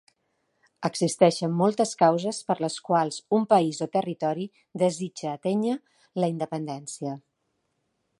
Existeixen moltes causes per les quals un país o territori desitja atènyer la independència.